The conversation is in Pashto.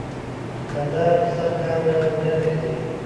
دوکاندار له سخت کار نه نه تښتي.